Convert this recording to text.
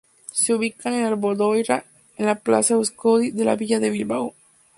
Se ubican en Abandoibarra, en la plaza Euskadi de la villa de Bilbao.